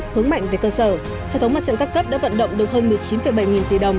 hướng mạnh về cơ sở hệ thống mặt trận các cấp đã vận động được hơn một mươi chín bảy nghìn tỷ đồng